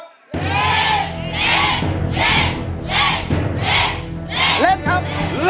เพลงนี้สี่หมื่นบาทเอามาดูกันนะครับ